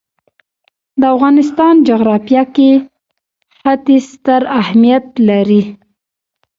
د افغانستان جغرافیه کې ښتې ستر اهمیت لري.